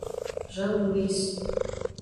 Janduís